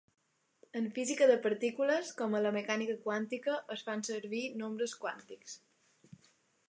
En física de partícules, com a la mecànica quàntica, es fan servir nombres quàntics.